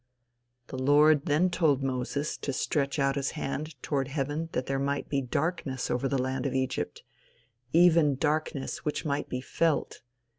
The Lord then told Moses to stretch out his hand toward heaven that there might be darkness over the land of Egypt, "even darkness which might be felt."